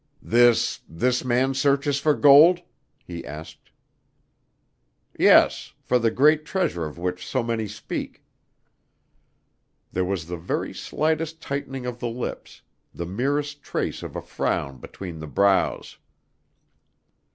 "This this man searches for gold?" he asked. "Yes for the great treasure of which so many speak." There was the very slightest tightening of the lips, the merest trace of a frown between the brows.